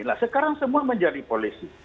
nah sekarang semua menjadi polisi